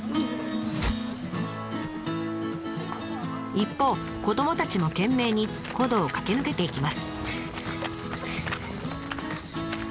一方子どもたちも懸命に古道を駆け抜けていきます。